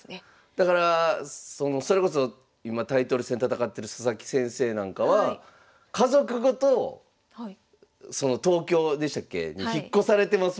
だからそれこそ今タイトル戦戦ってる佐々木先生なんかは家族ごとその東京でしたっけ？に引っ越されてますもんね。